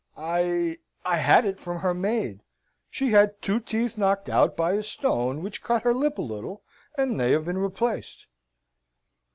"I I had it from her maid. She had two teeth knocked out by a stone which cut her lip a little, and they have been replaced."